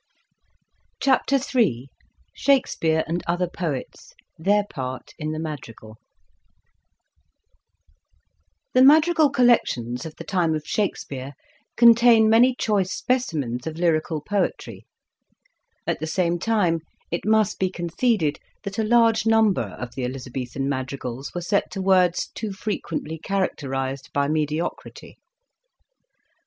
Introduction. CHAPTER III 1 HE madrigal collections of the time of Shakespeare contain many choice specimens of lyrical poetry. At the same time it must be conceded that a large number of the Eliza bethan madrigals were set to words too frequently characterised by mediocrity.